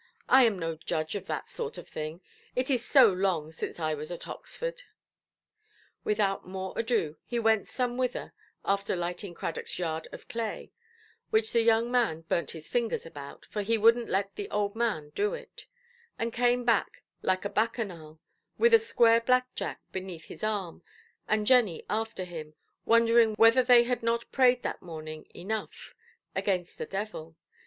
I am no judge of that sort of thing; it is so long since I was at Oxford". Without more ado, he went somewhither, after lighting Cradockʼs yard of clay—which the young man burnt his fingers about, for he wouldnʼt let the old man do it—and came back like a Bacchanal, with a square black–jack beneath his arm, and Jenny after him, wondering whether they had not prayed that morning enough against the devil.